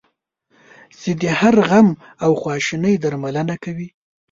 چې د هر غم او خواشینی درملنه کوي.